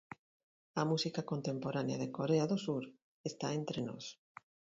A música contemporánea de Corea do Sur está entre nós.